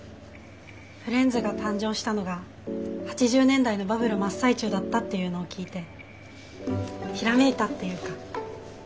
フレンズが誕生したのが８０年代のバブル真っ最中だったっていうのを聞いてひらめいたっていうか。